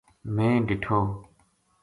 میں ڈِٹھو